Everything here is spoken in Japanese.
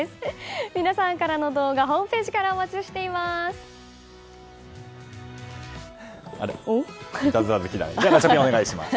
皆さんからの動画ホームページでもお待ちしています。